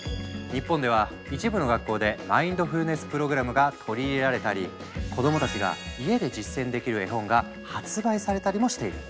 日本では一部の学校でマインドフルネス・プログラムが取り入れられたり子どもたちが家で実践できる絵本が発売されたりもしている。